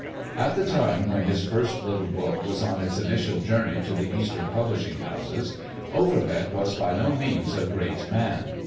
At the time when his first little book was on its initial journey to the Eastern publishing houses, Overbeck was by no means a great man.